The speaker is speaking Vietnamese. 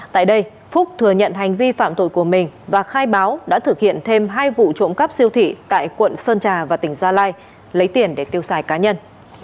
tại đây phúc thừa nhận hành vi phạm tội của mình và khai báo đã thực hiện thêm hai vụ trộm cắp siêu thị tại quận sơn trà và tỉnh gia lai lấy tiền để tiêu xài cá nhân